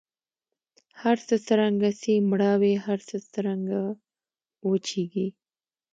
هرڅه څرنګه سي مړاوي هر څه څرنګه وچیږي